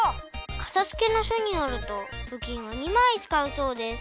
「かたづけの書」によるとふきんは２まいつかうそうです。